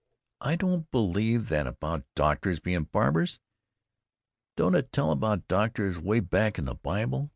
I don't believe that about doctors being barbers. Don't it tell about doctors 'way back in the Bible?